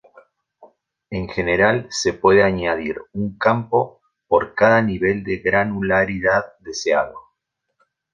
En general se puede añadir un campo por cada nivel de granularidad deseado.